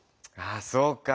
あそうか。